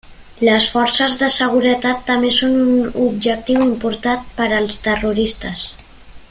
Les forces de seguretat també són un objectiu important per als terroristes.